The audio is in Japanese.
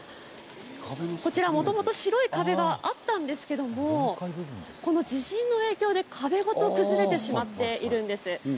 こちらもともと白い壁があったんですけれども、この地震の影響で壁ごと崩れてしまっているんです。